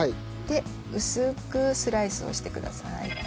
で薄くスライスをしてください。